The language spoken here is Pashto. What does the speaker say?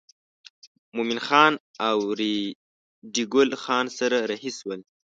مومن خان او ریډي ګل خان سره رهي شول.